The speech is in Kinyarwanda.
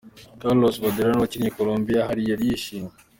Carlos Valderrama wakiniye Colombia aha yari yishimye .